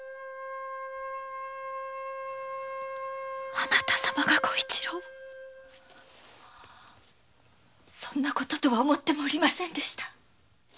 あなた様が小一郎をそんなこととは思ってもおりませんでした。